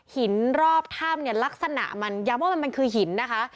หินรอบท่ามลักษณะมันย้ำว่ามันคือหินนะคะ